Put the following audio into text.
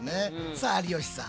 さあ有吉さん